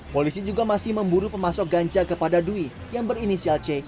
polisi juga masih memburu pemasok ganja kepada dwi yang berinisial c